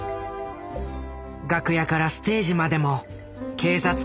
楽屋からステージまでも警察官が護衛。